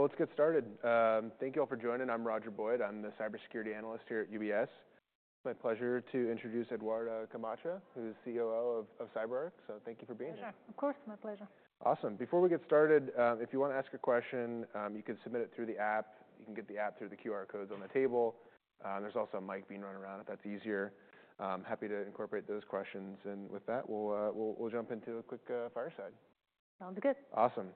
Cool. Well, let's get started. Thank you all for joining. I'm Roger Boyd. I'm the cybersecurity analyst here at UBS. It's my pleasure to introduce Eduarda Camacho, who's COO of CyberArk. So thank you for being here. Pleasure. Of course. My pleasure. Awesome. Before we get started, if you wanna ask a question, you can submit it through the app. You can get the app through the QR codes on the table. There's also a mic being run around if that's easier. Happy to incorporate those questions. And with that, we'll jump into a quick fireside. Sounds good. Awesome.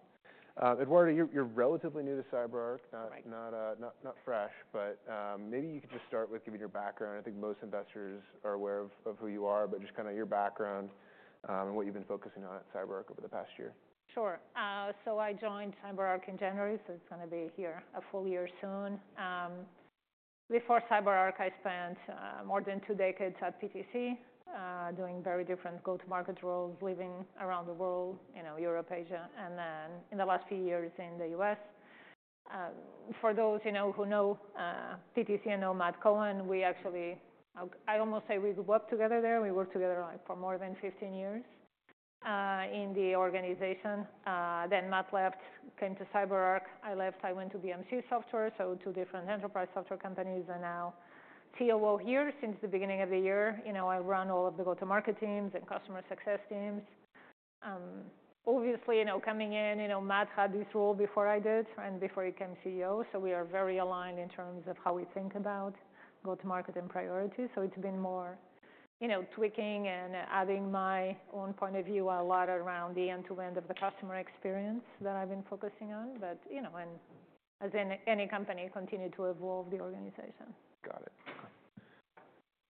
Eduarda, you're relatively new to CyberArk. Right. But, maybe you could just start with giving your background. I think most investors are aware of who you are, but just kinda your background, and what you've been focusing on at CyberArk over the past year. Sure. So I joined CyberArk in January, so it's gonna be here a full year soon. Before CyberArk, I spent more than two decades at PTC, doing very different go-to-market roles, living around the world, you know, Europe, Asia, and then in the last few years in the US. For those, you know, who know PTC and know Matt Cohen, we actually, I would almost say we grew up together there. We worked together like for more than 15 years in the organization. Then Matt left, came to CyberArk. I left. I went to BMC Software, so two different enterprise software companies, and now COO here since the beginning of the year. You know, I run all of the go-to-market teams and customer success teams. Obviously, you know, coming in, you know, Matt had this role before I did and before he became CEO. So we are very aligned in terms of how we think about go-to-market and priorities. So it's been more, you know, tweaking and, adding my own point of view a lot around the end-to-end of the customer experience that I've been focusing on. But, you know, and as in any company, continue to evolve the organization. Got it.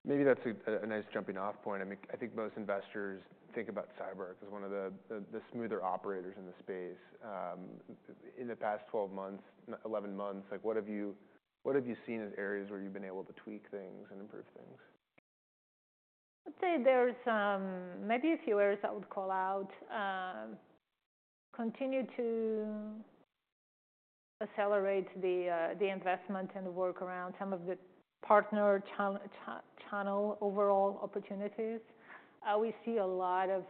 Okay. Maybe that's a nice jumping-off point. I mean, I think most investors think about CyberArk as one of the smoother operators in the space. In the past 12 months, 11 months, like, what have you, what have you seen as areas where you've been able to tweak things and improve things? I'd say there's maybe a few areas I would call out. Continue to accelerate the, the investment and work around some of the partner channel overall opportunities. We see a lot of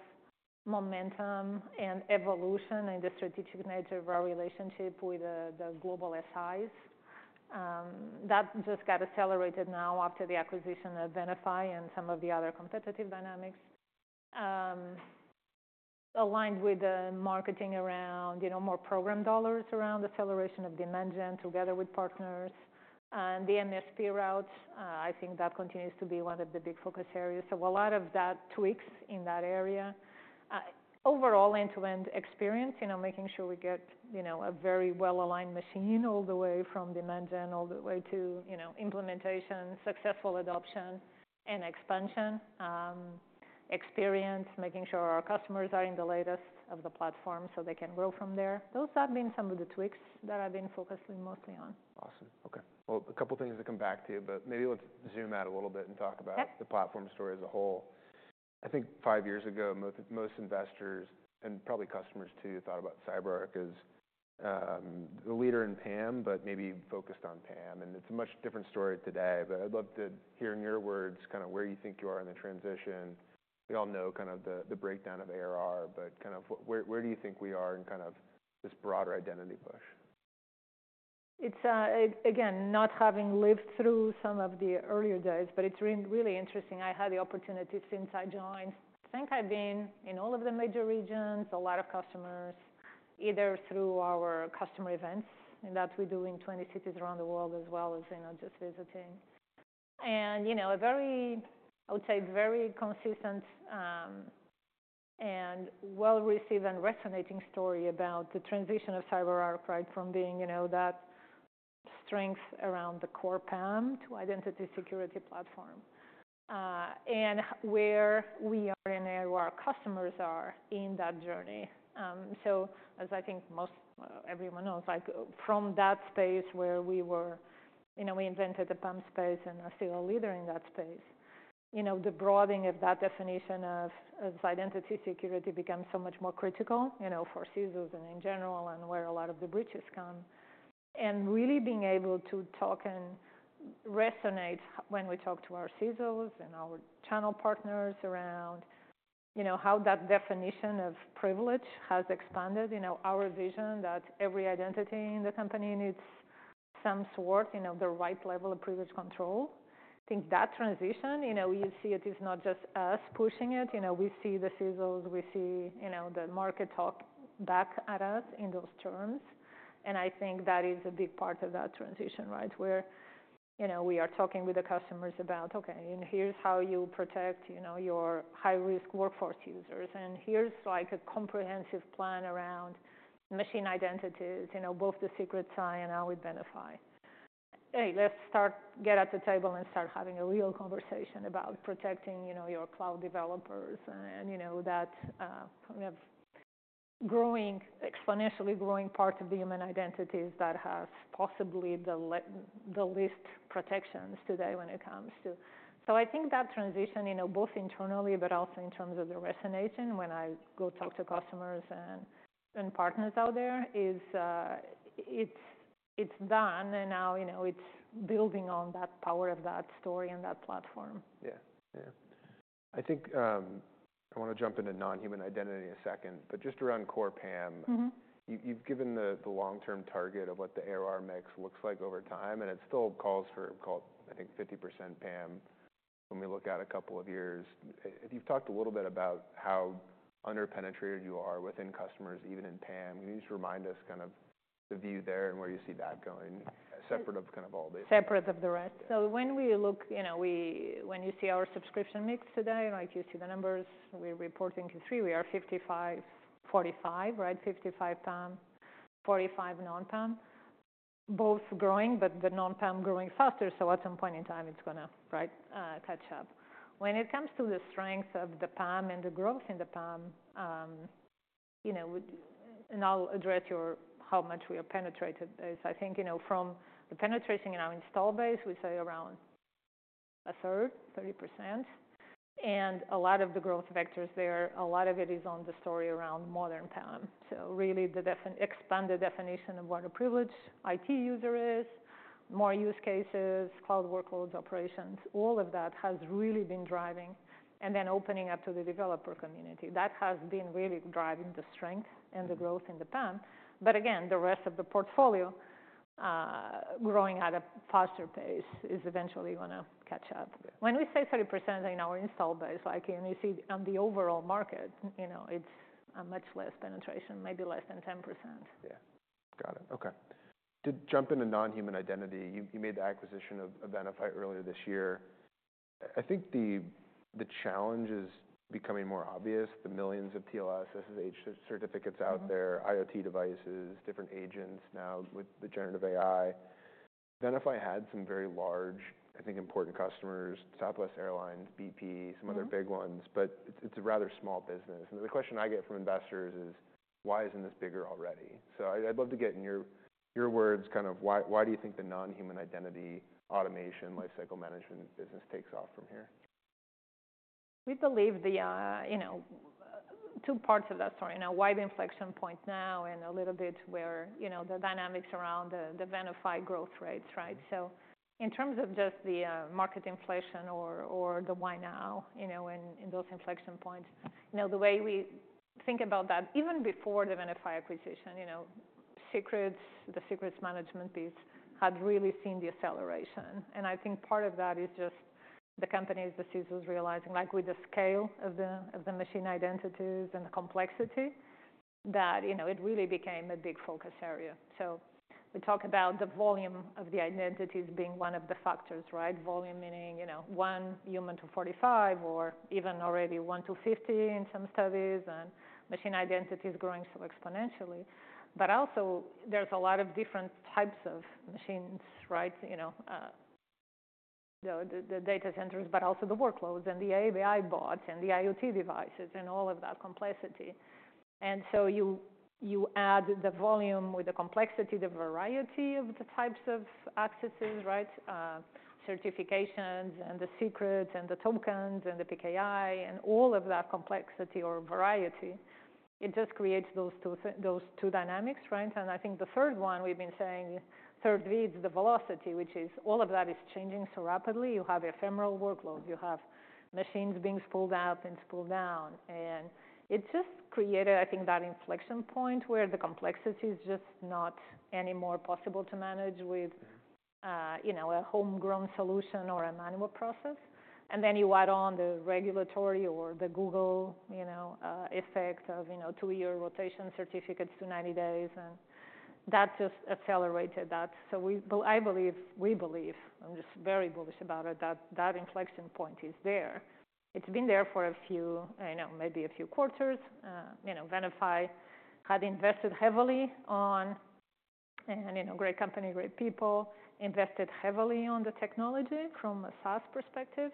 momentum and evolution in the strategic nature of our relationship with the, the global SIs. That just got accelerated now after the acquisition of Venafi and some of the other competitive dynamics. Aligned with the marketing around, you know, more program dollars around acceleration of adoption together with partners. The MSP route, I think that continues to be one of the big focus areas. So a lot of that tweaks in that area. Overall end-to-end experience, you know, making sure we get, you know, a very well-aligned machine all the way from adoption all the way to, you know, implementation, successful adoption, and expansion. experience, making sure our customers are in the latest of the platform so they can grow from there. Those have been some of the tweaks that I've been focusing mostly on. Awesome. Okay. Well, a couple things to come back to, but maybe let's zoom out a little bit and talk about. Yep. The platform story as a whole. I think five years ago, most investors and probably customers too thought about CyberArk as the leader in PAM, but maybe focused on PAM, and it's a much different story today, but I'd love to hear in your words kinda where you think you are in the transition. We all know kind of the breakdown of ARR, but kind of where do you think we are in kind of this broader identity push? It's again not having lived through some of the earlier days, but it's really interesting. I had the opportunity since I joined. I think I've been in all of the major regions, a lot of customers, either through our customer events that we do in 20 cities around the world as well as, you know, just visiting. And, you know, a very, I would say, very consistent, and well-received and resonating story about the transition of CyberArk, right, from being, you know, that strength around the core PAM to identity security platform and where we are and where our customers are in that journey. So as I think most everyone knows, like, from that space where we were, you know, we invented the PAM space and are still a leader in that space, you know, the broadening of that definition of identity security becomes so much more critical, you know, for CISOs and in general and where a lot of the breaches come, and really being able to talk and resonate when we talk to our CISOs and our channel partners around, you know, how that definition of privilege has expanded, you know, our vision that every identity in the company needs some sort, you know, the right level of privilege control. I think that transition, you know, you see it is not just us pushing it. You know, we see the CISOs. We see, you know, the market talk back at us in those terms. And I think that is a big part of that transition, right, where, you know, we are talking with the customers about, "Okay. And here's how you protect, you know, your high-risk workforce users. And here's, like, a comprehensive plan around machine identities, you know, both the Secrets Hub and now with Venafi. Hey, let's get a seat at the table and start having a real conversation about protecting, you know, your cloud developers." And, you know, that we have growing, exponentially growing part of the human identities that has possibly the least protections today when it comes to. So I think that transition, you know, both internally but also in terms of the resonance when I go talk to customers and partners out there is, it's done. And now, you know, it's building on that power of that story and that platform. Yeah. Yeah. I think, I wanna jump into non-human identity in a second, but just around core PAM. Mm-hmm. You've given the long-term target of what the ARR mix looks like over time, and it still calls for, I think, 50% PAM when we look at a couple of years. Have you talked a little bit about how underpenetrated you are within customers even in PAM? Can you just remind us kind of the view there and where you see that going, separate of kind of all the. Separate from the rest. So when we look, you know, when you see our subscription mix today, like, you see the numbers. We're reporting in Q3. We are 55%, 45%, right? 55% PAM, 45% non-PAM, both growing, but the non-PAM growing faster. So at some point in time, it's gonna, right, catch up. When it comes to the strength of the PAM and the growth in the PAM, you know, and I'll address your how much we are penetrated. It's, I think, you know, from the penetration in our install base, we say around a third, 30%. And a lot of the growth vectors there, a lot of it is on the story around modern PAM. So really the defined expanded definition of what a privileged IT user is, more use cases, cloud workloads, operations, all of that has really been driving. And then opening up to the developer community, that has been really driving the strength and the growth in the PAM. But again, the rest of the portfolio, growing at a faster pace, is eventually gonna catch up. When we say 30% in our installed base, like, you know, you see on the overall market, you know, it's a much less penetration, maybe less than 10%. Yeah. Got it. Okay. To jump into non-human identity, you made the acquisition of Venafi earlier this year. I think the challenge is becoming more obvious. The millions of TLS, SSH certificates out there, IoT devices, different agents now with the generative AI. Venafi had some very large, I think, important customers, Southwest Airlines, BP, some other big ones. But it's a rather small business. And the question I get from investors is, "Why isn't this bigger already?" So I'd love to get in your words kind of why you think the non-human identity automation lifecycle management business takes off from here? We believe the, you know, two parts of that story. You know, why the inflection point now and a little bit where, you know, the dynamics around the, the Venafi growth rates, right? So in terms of just the, market inflection or, or the why now, you know, in, in those inflection points, you know, the way we think about that, even before the Venafi acquisition, you know, secrets, the secrets management piece had really seen the acceleration. And I think part of that is just the companies, the CISOs realizing, like, with the scale of the, of the machine identities and the complexity that, you know, it really became a big focus area. So we talk about the volume of the identities being one of the factors, right? Volume, meaning, you know, one human to 45 or even already one to 50 in some studies, and machine identities growing so exponentially. But also, there's a lot of different types of machines, right? You know, the data centers, but also the workloads and the API bots and the IoT devices and all of that complexity. And so you add the volume with the complexity, the variety of the types of accesses, right? Certifications and the secrets and the tokens and the PKI and all of that complexity or variety, it just creates those two dynamics, right? And I think the third one we've been saying, third V, it's the velocity, which is all of that is changing so rapidly. You have ephemeral workloads. You have machines being spooled up and spooled down. And it just created, I think, that inflection point where the complexity is just not anymore possible to manage with, you know, a homegrown solution or a manual process. And then you add on the regulatory or the Google, you know, effect of, you know, two-year rotation certificates to 90 days. And that just accelerated that. So we believe. I believe we believe. I'm just very bullish about it, that the inflection point is there. It's been there for a few, you know, maybe a few quarters. You know, Venafi had invested heavily on, and, you know, great company, great people, invested heavily on the technology from a SaaS perspective,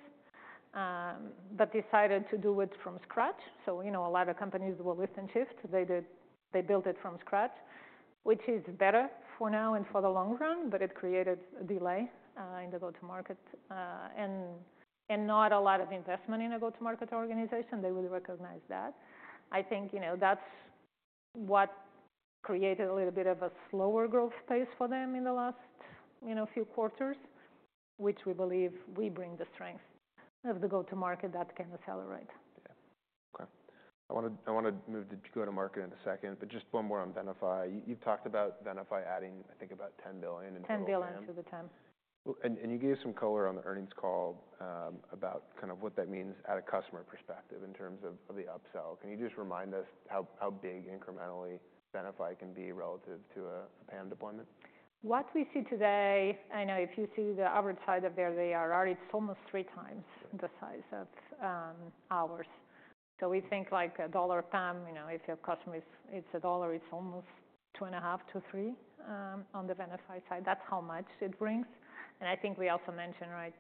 but decided to do it from scratch. So, you know, a lot of companies will lift and shift. They did. They built it from scratch, which is better for now and for the long run, but it created a delay in the go-to-market, and not a lot of investment in a go-to-market organization. They would recognize that. I think, you know, that's what created a little bit of a slower growth pace for them in the last, you know, few quarters, which we believe we bring the strength of the go-to-market that can accelerate. Yeah. Okay. I wanna move to go-to-market in a second, but just one more on Venafi. You've talked about Venafi adding, I think, about $10 billion into the. $10 billion to the PAM. You gave some color on the earnings call about kind of what that means at a customer perspective in terms of the upsell. Can you just remind us how big incrementally Venafi can be relative to a PAM deployment? What we see today, I know if you see the average size of their ARR, it's almost 3x the size of ours. So we think, like, a $1 PAM, you know, if your customer is it's a $1, it's almost 2.5-3 on the Venafi side. That's how much it brings. And I think we also mentioned, right,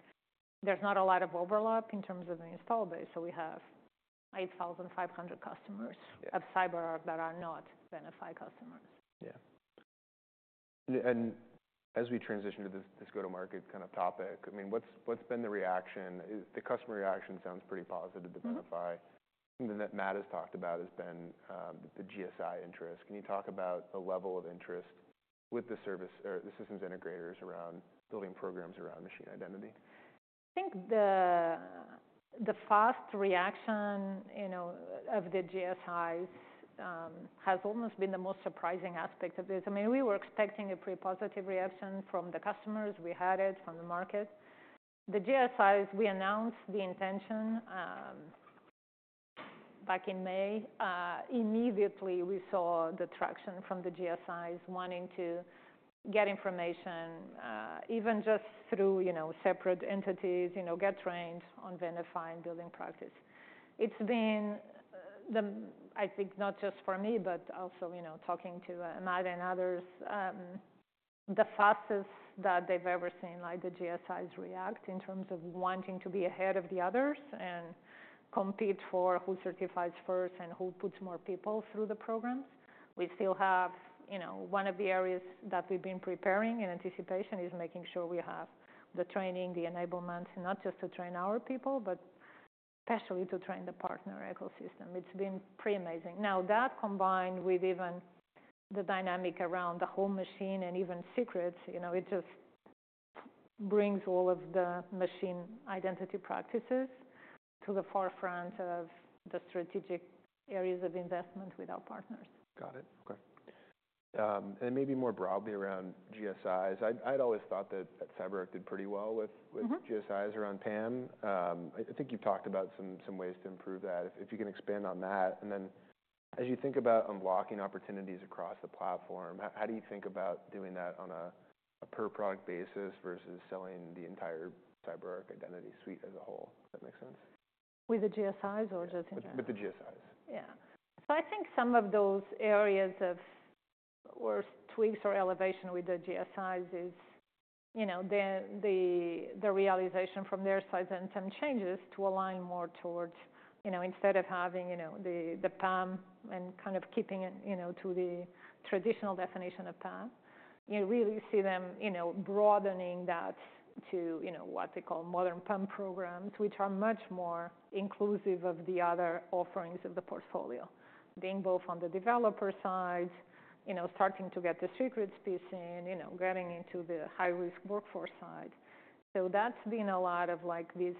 there's not a lot of overlap in terms of the installed base. So we have 8,500 customers. Yeah. Of CyberArk that are not Venafi customers. Yeah. And as we transition to this go-to-market kind of topic, I mean, what's been the reaction? The customer reaction sounds pretty positive to Venafi. Mm-hmm. Then that Matt has talked about has been the GSI interest. Can you talk about the level of interest with the service or the systems integrators around building programs around machine identity? I think the fast reaction, you know, of the GSIs, has almost been the most surprising aspect of this. I mean, we were expecting a pretty positive reaction from the customers. We had it from the market. The GSIs, we announced the intention, back in May. Immediately, we saw the traction from the GSIs wanting to get information, even just through, you know, separate entities, you know, get trained on Venafi and building practice. It's been, I think, not just for me, but also, you know, talking to Matt and others, the fastest that they've ever seen, like, the GSIs react in terms of wanting to be ahead of the others and compete for who certifies first and who puts more people through the programs. We still have, you know, one of the areas that we've been preparing in anticipation is making sure we have the training, the enablement, not just to train our people, but especially to train the partner ecosystem. It's been pretty amazing. Now, that combined with even the dynamic around the whole machine and even secrets, you know, it just brings all of the machine identity practices to the forefront of the strategic areas of investment with our partners. Got it. Okay, and maybe more broadly around GSIs. I'd always thought that CyberArk did pretty well with. Mm-hmm. GSIs around PAM. I think you've talked about some ways to improve that. If you can expand on that. And then as you think about unlocking opportunities across the platform, how do you think about doing that on a per-product basis versus selling the entire CyberArk Identity suite as a whole? Does that make sense? With the GSIs or just in general? With the GSIs. Yeah, so I think some of those areas of worst tweaks or elevation with the GSIs is, you know, the realization from their size and some changes to align more towards, you know, instead of having, you know, the PAM and kind of keeping it, you know, to the traditional definition of PAM, you really see them, you know, broadening that to, you know, what they call modern PAM programs, which are much more inclusive of the other offerings of the portfolio, being both on the developer side, you know, starting to get the secrets piece in, you know, getting into the high-risk workforce side. So that's been a lot of, like, this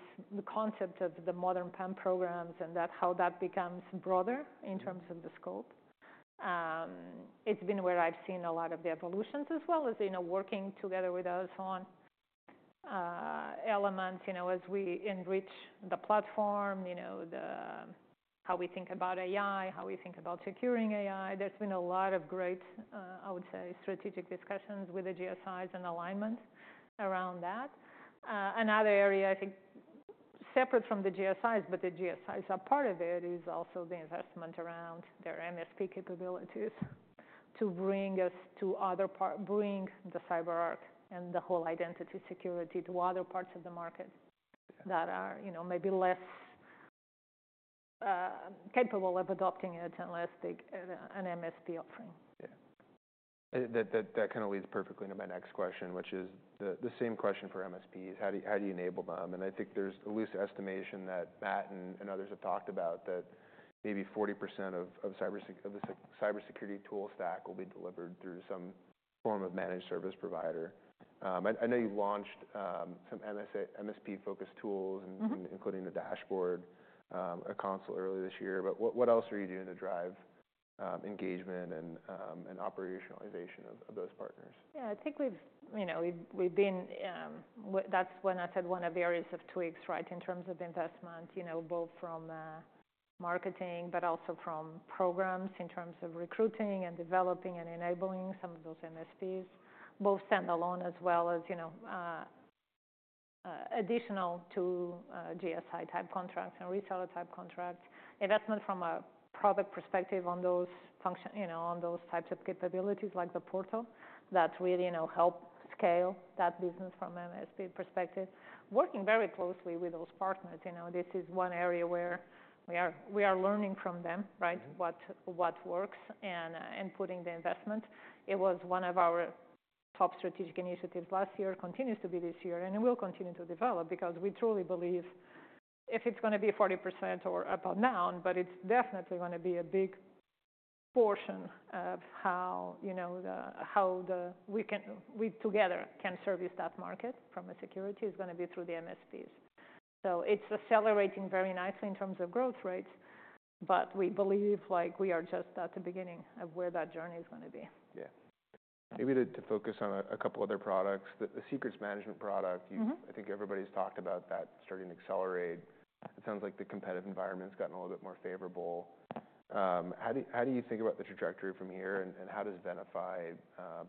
concept of the modern PAM programs and how that becomes broader in terms of the scope. It's been where I've seen a lot of the evolutions as well as, you know, working together with us on elements, you know, as we enrich the platform, you know, the how we think about AI, how we think about securing AI. There's been a lot of great, I would say, strategic discussions with the GSIs and alignment around that. Another area, I think, separate from the GSIs, but the GSIs are part of it, is also the investment around their MSP capabilities to bring us to other partners, bring the CyberArk and the whole identity security to other parts of the market. Yeah. That are, you know, maybe less capable of adopting it and less big an MSP offering. Yeah. That kinda leads perfectly into my next question, which is the same question for MSP. How do you enable them? And I think there's a loose estimation that Matt and others have talked about that maybe 40% of the cybersecurity tool stack will be delivered through some form of managed service provider. I know you launched some MSP-focused tools. Mm-hmm. Including the dashboard, a console earlier this year. But what else are you doing to drive engagement and operationalization of those partners? Yeah. I think we've, you know, we've been. That's when I said one of the areas of tweaks, right, in terms of investment, you know, both from marketing but also from programs in terms of recruiting and developing and enabling some of those MSPs, both standalone as well as, you know, additional to GSI-type contracts and reseller-type contracts. Investment from a product perspective on those functions, you know, on those types of capabilities like the portal that really, you know, helps scale that business from an MSP perspective, working very closely with those partners. You know, this is one area where we are learning from them, right? Mm-hmm. What works and putting the investment. It was one of our top strategic initiatives last year, continues to be this year, and it will continue to develop because we truly believe if it's gonna be 40% or up or down, but it's definitely gonna be a big portion of how, you know, we together can service that market from a security is gonna be through the MSPs, so it's accelerating very nicely in terms of growth rates, but we believe, like, we are just at the beginning of where that journey is gonna be. Yeah. Maybe to focus on a couple other products. The Secrets Management product. Mm-hmm. You've, I think, everybody's talked about that starting to accelerate. It sounds like the competitive environment's gotten a little bit more favorable. How do you think about the trajectory from here? And how does Venafi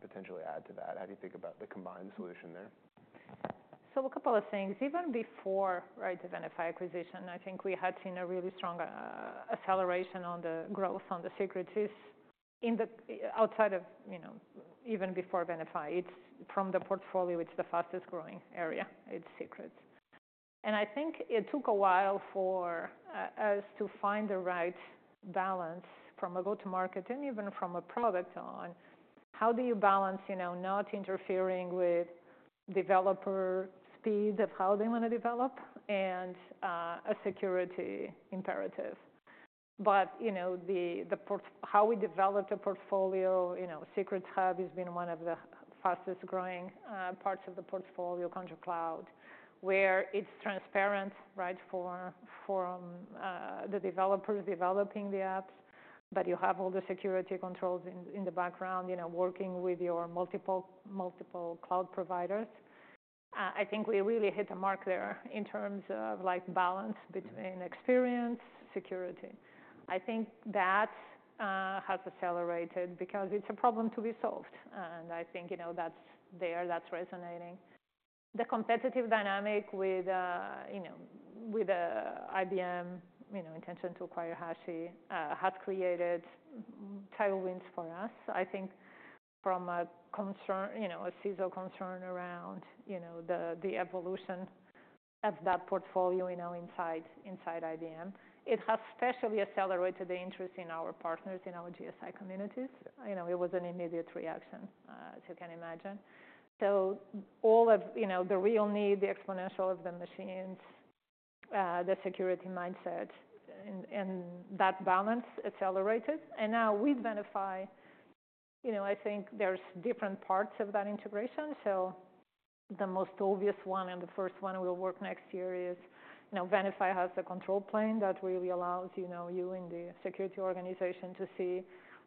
potentially add to that? How do you think about the combined solution there? So a couple of things. Even before, right, the Venafi acquisition, I think we had seen a really strong acceleration on the growth on the secrets in the outside of, you know, even before Venafi. It's from the portfolio, it's the fastest growing area. It's secrets. And I think it took a while for us to find the right balance from a go-to-market and even from a product on how do you balance, you know, not interfering with developer speed of how they wanna develop and a security imperative. But, you know, the portfolio, how we developed a portfolio, you know, Secrets Hub has been one of the fastest growing parts of the portfolio, Conjur Cloud, where it's transparent, right, for the developers developing the apps, but you have all the security controls in the background, you know, working with your multiple cloud providers. I think we really hit the mark there in terms of, like, balance between experience, security. I think that has accelerated because it's a problem to be solved. And I think, you know, that's there. That's resonating. The competitive dynamic with, you know, with IBM, you know, intention to acquire Hashi has created tailwinds for us, I think, from a concern, you know, a seasonal concern around, you know, the evolution of that portfolio, you know, inside IBM. It has especially accelerated the interest in our partners, in our GSI communities. You know, it was an immediate reaction, as you can imagine. So all of, you know, the real need, the exponential of the machines, the security mindset, and that balance accelerated. And now with Venafi, you know, I think there's different parts of that integration. So the most obvious one and the first one we'll work next year is, you know, Venafi has a control plane that really allows, you know, you in the security organization to see,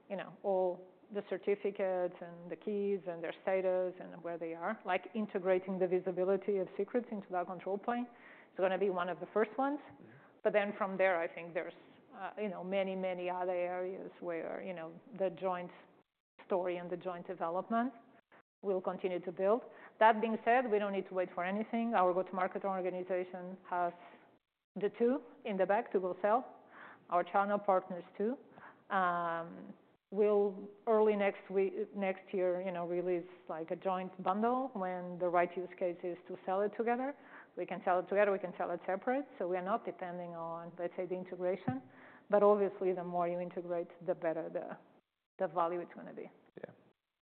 you know, all the certificates and the keys and their status and where they are. Like, integrating the visibility of secrets into that control plane is gonna be one of the first ones. Yeah. But then from there, I think there's, you know, many, many other areas where, you know, the joint story and the joint development will continue to build. That being said, we don't need to wait for anything. Our go-to-market organization has the two in the bag to go sell. Our channel partners too. We'll early next year, you know, release, like, a joint bundle when the right use case is to sell it together. We can sell it together. We can sell it separate. So we are not depending on, let's say, the integration. But obviously, the more you integrate, the better the value it's gonna be. Yeah.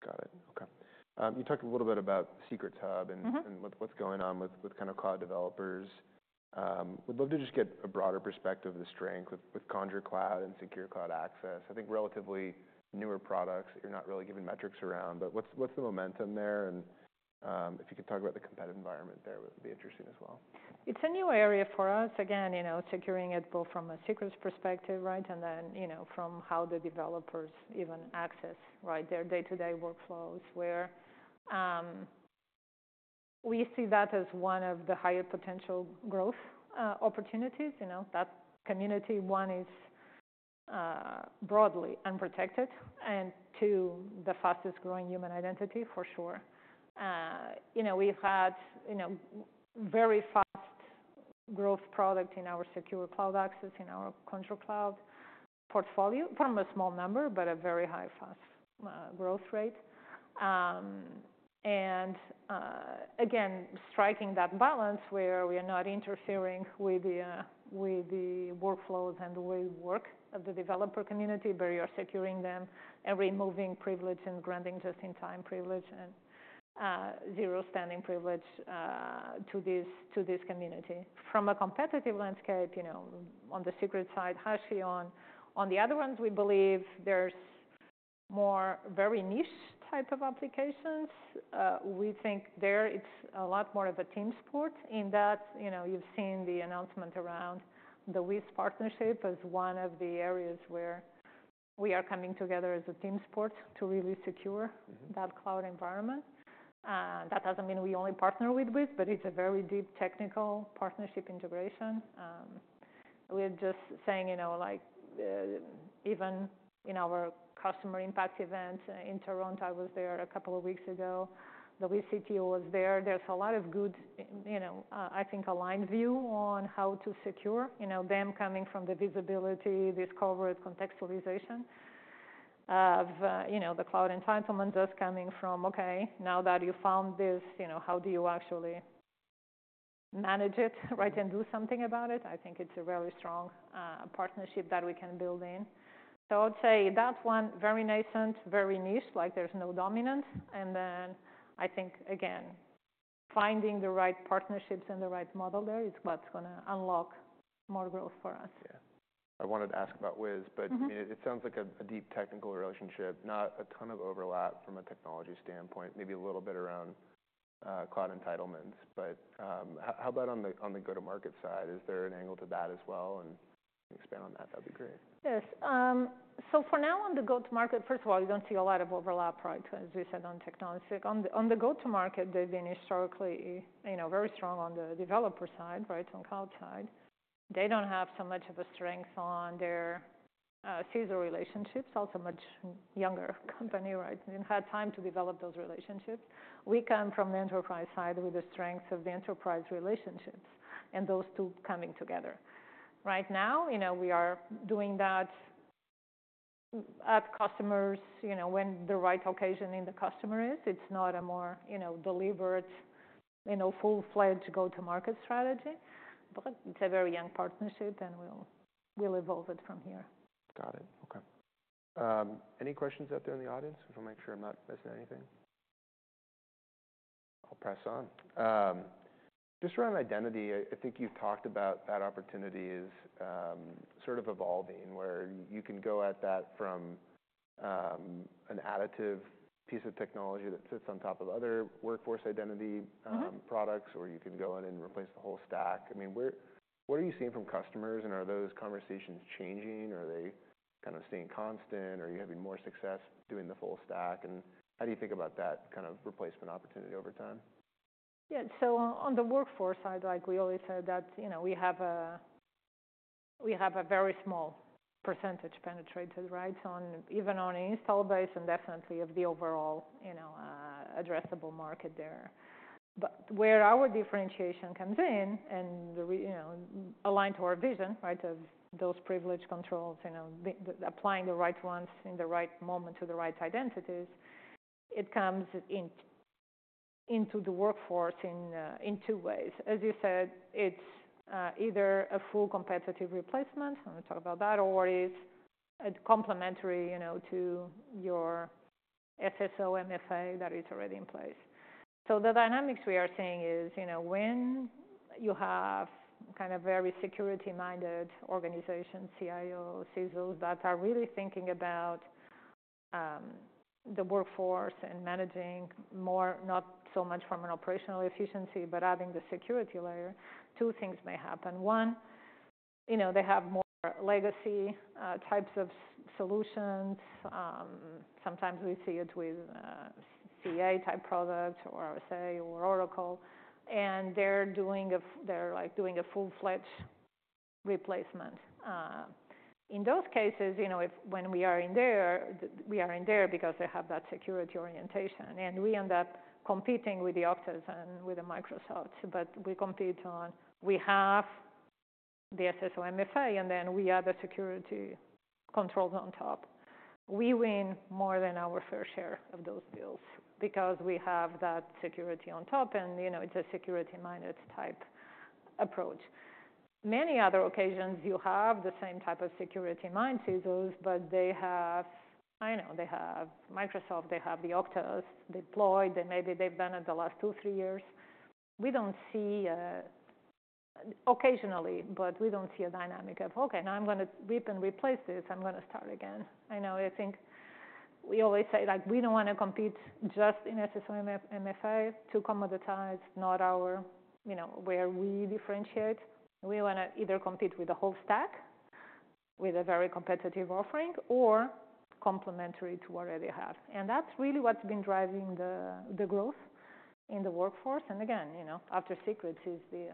Got it. Okay. You talked a little bit about Secrets Hub and. Mm-hmm. What's going on with kind of cloud developers? We'd love to just get a broader perspective of the strength with Conjur Cloud and Secure Cloud Access. I think relatively newer products that you're not really given metrics around. But what's the momentum there? If you could talk about the competitive environment there, it would be interesting as well. It's a new area for us. Again, you know, securing it both from a secrets perspective, right, and then, you know, from how the developers even access, right, their day-to-day workflows, where, we see that as one of the higher potential growth, opportunities, you know, that community. One is, broadly unprotected and two, the fastest growing human identity for sure. You know, we've had, you know, very fast growth product in our Secure Cloud Access, in our Conjur Cloud portfolio from a small number but a very high fast, growth rate. And, again, striking that balance where we are not interfering with the, with the workflows and the way we work of the developer community, but you're securing them and removing privilege and granting just-in-time privilege and, zero standing privilege, to this to this community. From a competitive landscape, you know, on the secret side, Hashi. On the other ones, we believe there's more very niche type of applications. We think there it's a lot more of a team sport in that, you know, you've seen the announcement around the Wiz partnership as one of the areas where we are coming together as a team sport to really secure. Mm-hmm. That cloud environment. That doesn't mean we only partner with Wiz, but it's a very deep technical partnership integration. We're just saying, you know, like, even in our customer impact event in Toronto, I was there a couple of weeks ago. The Wiz CTO was there. There's a lot of good, you know, I think aligned view on how to secure, you know, them coming from the visibility, discovery, contextualization of, you know, the cloud entitlement just coming from, okay, now that you found this, you know, how do you actually manage it, right, and do something about it? I think it's a really strong partnership that we can build in. So I would say that one very nascent, very niche, like there's no dominance. And then I think, again, finding the right partnerships and the right model there is what's gonna unlock more growth for us. Yeah. I wanted to ask about Wiz, but. Mm-hmm. I mean, it sounds like a deep technical relationship, not a ton of overlap from a technology standpoint, maybe a little bit around cloud entitlements. But how about on the go-to-market side? Is there an angle to that as well? And expand on that. That'd be great. Yes. So for now on the go-to-market, first of all, you don't see a lot of overlap, right, as we said on technology. On the go-to-market, they've been historically, you know, very strong on the developer side, right, on cloud side. They don't have so much of a strength on their CISO relationships. Also much younger company, right? They've had time to develop those relationships. We come from the enterprise side with the strengths of the enterprise relationships and those two coming together. Right now, you know, we are doing that at customers, you know, when the right occasion in the customer is. It's not a more, you know, deliberate, you know, full-fledged go-to-market strategy. But it's a very young partnership, and we'll evolve it from here. Got it. Okay. Any questions out there in the audience? I just wanna make sure I'm not missing anything. I'll press on. Just around identity, I, I think you've talked about that opportunity is, sort of evolving where you can go at that from, an additive piece of technology that sits on top of other workforce identity. Mm-hmm. Products, or you can go in and replace the whole stack. I mean, what are you seeing from customers? And are those conversations changing? Are they kind of staying constant? Are you having more success doing the full stack? And how do you think about that kind of replacement opportunity over time? Yeah. So on the workforce side, like we always said, that, you know, we have a very small percentage penetrated, right, on even on install base and definitely of the overall, you know, addressable market there. But where our differentiation comes in and they're, you know, aligned to our vision, right, of those privilege controls, you know, the applying the right ones in the right moment to the right identities, it comes into the workforce in two ways. As you said, it's either a full competitive replacement, and we'll talk about that, or it's a complementary, you know, to your SSO MFA that is already in place. So the dynamics we are seeing is, you know, when you have kind of very security-minded organizations, CIOs, CISOs that are really thinking about the workforce and managing more not so much from an operational efficiency but adding the security layer, two things may happen. One, you know, they have more legacy types of solutions. Sometimes we see it with CA-type products or RSA or Oracle, and they're, like, doing a full-fledged replacement. In those cases, you know, when we are in there, we are in there because they have that security orientation. And we end up competing with the Oktas and with the Microsofts. But we compete on we have the SSO MFA, and then we add the security controls on top. We win more than our fair share of those deals because we have that security on top, and, you know, it's a security-minded type approach. Many other occasions, you have the same type of security-minded CISOs, but they have, I know, they have Microsoft. They have the Oktas deployed. And maybe they've done it the last two, three years. We don't see it occasionally, but we don't see a dynamic of, okay, now I'm gonna rip and replace this. I'm gonna start again. I know I think we always say, like, we don't wanna compete just in SSO, MFA to commoditize, not our, you know, where we differentiate. We wanna either compete with the whole stack with a very competitive offering or complementary to what they have. And that's really what's been driving the growth in the workforce. Again, you know, after secrets is the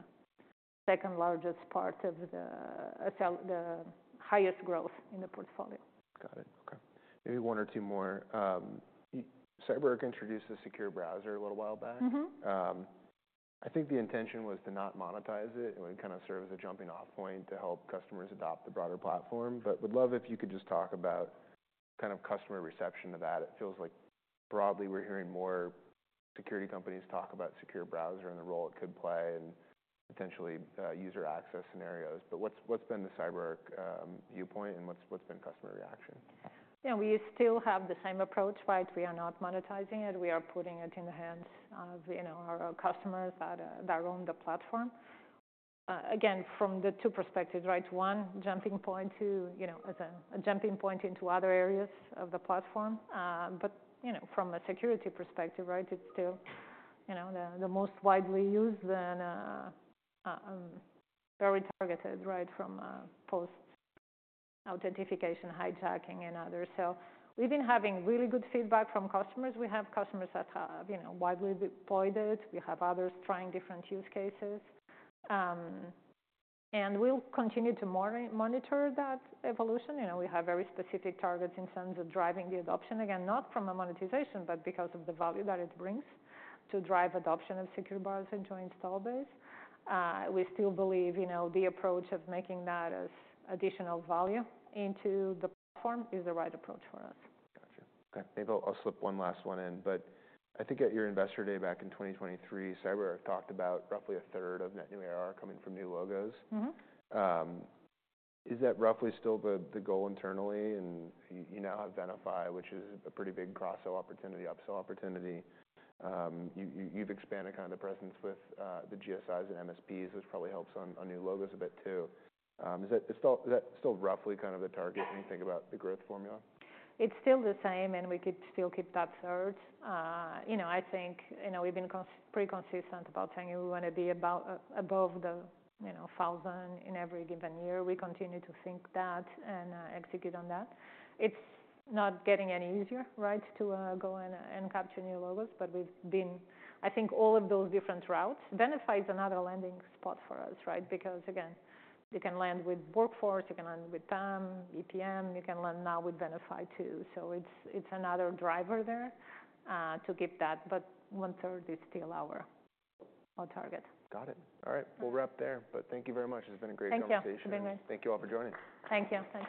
second largest part of the, the highest growth in the portfolio. Got it. Okay. Maybe one or two more. CyberArk introduced the Secure Browser a little while back. Mm-hmm. I think the intention was to not monetize it. It would kind of serve as a jumping-off point to help customers adopt the broader platform. But would love if you could just talk about kind of customer reception of that. It feels like broadly we're hearing more security companies talk about Secure Browser and the role it could play and potentially, user access scenarios. But what's been the CyberArk viewpoint and what's been customer reaction? Yeah. We still have the same approach, right? We are not monetizing it. We are putting it in the hands of, you know, our customers that own the platform. Again, from the two perspectives, right? One, jumping point to, you know, as a jumping point into other areas of the platform. But, you know, from a security perspective, right, it's still, you know, the most widely used and very targeted, right, from post-authentication hijacking and others. So we've been having really good feedback from customers. We have customers that have, you know, widely deployed it. We have others trying different use cases. And we'll continue to monitor that evolution. You know, we have very specific targets in terms of driving the adoption, again, not from a monetization but because of the value that it brings to drive adoption of Secure Browser to installed base. We still believe, you know, the approach of making that as additional value into the platform is the right approach for us. Gotcha. Okay. Maybe I'll, I'll slip one last one in. But I think at your Investor Day back in 2023, CyberArk talked about roughly a third of net new ARR coming from new logos. Mm-hmm. Is that roughly still the goal internally? And you now have Venafi, which is a pretty big cross-sell opportunity, upsell opportunity. You've expanded kind of the presence with the GSIs and MSPs, which probably helps on new logos a bit too. Is that still roughly kind of the target when you think about the growth formula? It's still the same, and we could still keep that third, you know. I think, you know, we've been pretty consistent about saying we wanna be above the, you know, 1,000 in every given year. We continue to think that and execute on that. It's not getting any easier, right, to go and capture new logos, but we've been, I think, all of those different routes. Venafi is another landing spot for us, right? Because again, you can land with workforce. You can land with PAM, EPM. You can land now with Venafi too, so it's another driver there to keep that, but one third is still our target. Got it. All right. We'll wrap there. But thank you very much. It's been a great conversation. Thank you. It's been great. Thank you all for joining. Thank you. Thank you.